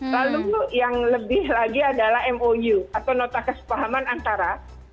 lalu yang lebih lagi adalah mou atau nota kesepahaman antara